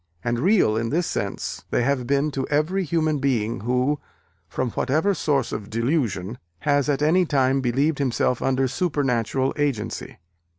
And real in this sense they have been to every human being who, from whatever source of delusion, has at any time believed himself under supernatural agency."